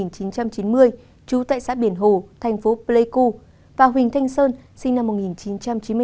trú tại xã biển hồ thành phố pleiku và huỳnh thanh sơn sinh năm một nghìn chín trăm chín mươi bốn